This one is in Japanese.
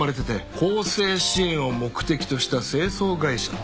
更生支援を目的とした清掃会社って。